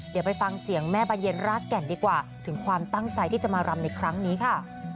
เดี๋ยวไปฟังเสียงแม่บานเย็นรากแก่นดีกว่าถึงความตั้งใจที่จะมารำในครั้งนี้ค่ะ